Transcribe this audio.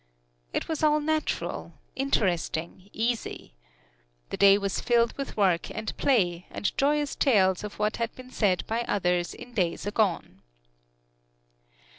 It was all natural interesting, easy. The day was filled with work and play, and joyous tales of what had been said by others in days agone.